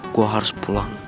gue harus pulang